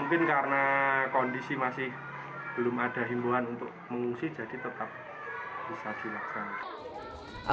mungkin karena kondisi masih belum ada himbuan untuk mengungsi jadi tetap bisa dilaksanakan